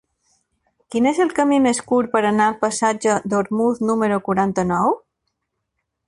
Quin és el camí més curt per anar al passatge d'Ormuz número quaranta-nou?